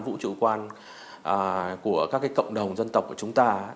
vũ trụ quan của các cộng đồng dân tộc của chúng ta